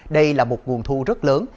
đây là một nguồn thu rất lớn